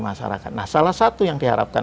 masyarakat nah salah satu yang diharapkan